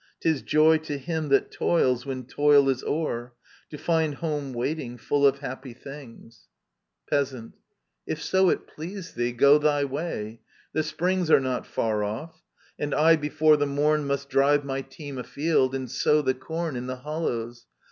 'Tis joy to him that toils, when toil is o'er. To find home waiting, full of happy things. Digitized by VjOOQIC ELECTRA Peasant. If so it please thee, go thy way. The springs Are not &r off. And I before the morn Must drive my team afield, and sow the corn In the hollows.